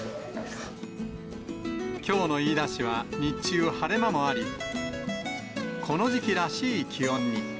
きょうの飯田市は日中、晴れ間もあり、この時期らしい気温に。